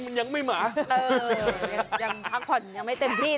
เออยังพักผ่อนไม่เต็มที่